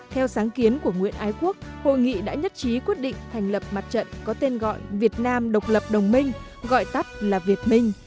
theo sáng kiến của nguyễn ái quốc hội nghị đã nhất trí quyết định thành lập mặt trận có tên gọi việt nam độc lập đồng minh gọi tắt là việt minh